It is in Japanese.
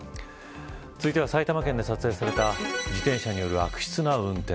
続いては、埼玉県で撮影された自転車による悪質な運転。